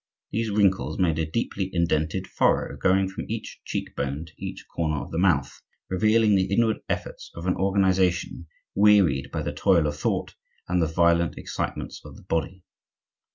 These wrinkles made a deeply indented furrow going from each cheek bone to each corner of the mouth, revealing the inward efforts of an organization wearied by the toil of thought and the violent excitements of the body.